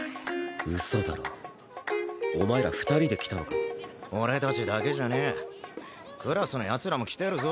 ウソだろお前ら二人で来たのか俺達だけじゃねえクラスのヤツらも来てるぞ